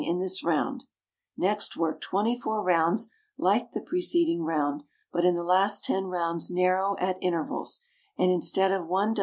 in this round. Next work 24 rounds like the preceding round, but in the last 10 rounds narrow at intervals, and instead of 1 dc.